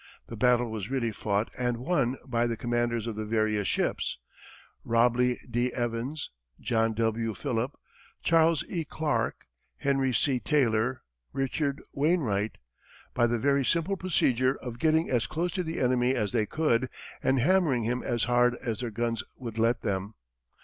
The battle was really fought and won by the commanders of the various ships Robley D. Evans, John W. Philip, Charles E. Clark, Henry C. Taylor, Richard Wainwright by the very simple procedure of getting as close to the enemy as they could, and hammering him as hard as their guns would let them.